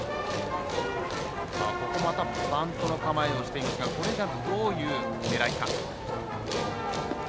ここまたバントの構えをしていますがこれは、どういう狙いか。